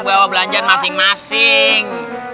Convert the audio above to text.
bawa belanja masing masing